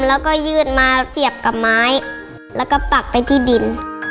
แล้วก็ยื่นมาเสียบกับไม้แล้วก็ปักไปที่ดิน